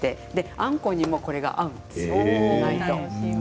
あんこにこれが合うんですよ。